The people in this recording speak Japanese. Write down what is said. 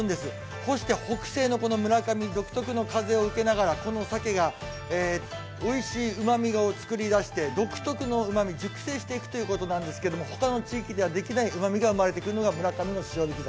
干して北西の村上独特の風を受けながらこの鮭がおいしいうまみを作り出して、独特のうまみを熟成していくと言うことなんですけど、他の地域ではできないうまみを作り出すのが村上の塩引き鮭。